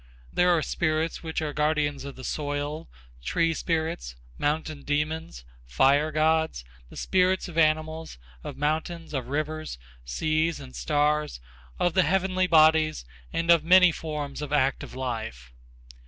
There are spirits which are guardians of the soil, tree spirits, mountain demons, fire gods, the spirits of animals, of mountains, of rivers, seas and stars, of the heavenly bodies and of many forms of active life.